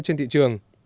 trên thị trường